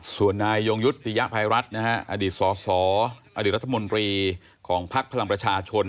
ส่วนนายยงยุติยภัยรัฐนะฮะอดีตสสอดีตรัฐมนตรีของภักดิ์พลังประชาชน